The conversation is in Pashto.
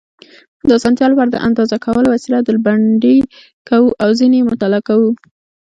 د اسانتیا لپاره د اندازه کولو وسایل ډلبندي کوو او ځینې یې مطالعه کوو.